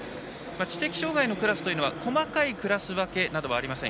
知的障がいのクラスというのは細かいクラス分けなどはありません。